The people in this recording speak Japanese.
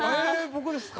僕ですか？